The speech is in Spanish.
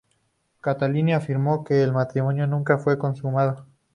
Catalina afirmó que el matrimonio nunca fue consumado.